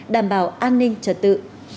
đảm bảo an ninh trật tự